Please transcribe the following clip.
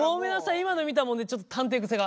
今の見たもんでちょっと探偵癖が。